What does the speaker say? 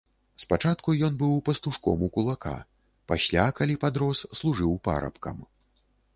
Спачатку ён быў пастушком у кулака, пасля, калі падрос, служыў парабкам.